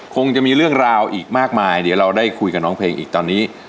คงจะมีเรื่องราวอีกมากมายเดี๋ยวเราได้คุยกับน้องเพลงอีกตอนนี้